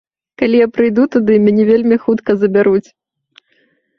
Калі я прыйду туды, мяне вельмі хутка забяруць.